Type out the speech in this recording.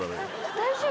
大丈夫？